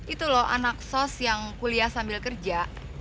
itu loh anak sos yang kuliah sambil kerja